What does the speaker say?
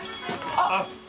あっ。